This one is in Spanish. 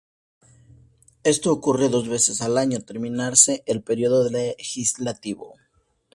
Esto ocurre dos veces al año al terminarse el periodo legislativo.